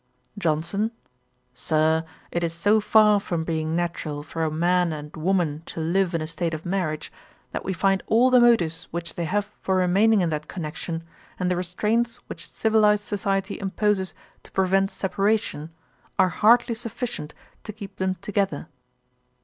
JOHNSON. 'Sir, it is so far from being natural for a man and woman to live in a state of marriage, that we find all the motives which they have for remaining in that connection, and the restraints which civilized society imposes to prevent separation, are hardly sufficient to keep them together.'